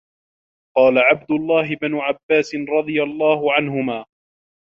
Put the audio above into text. قَالَ عَبْدُ اللَّهِ بْنُ عَبَّاسٍ رَضِيَ اللَّهُ عَنْهُمَا